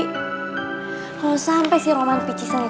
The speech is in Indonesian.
kalau sampai sih roman picisan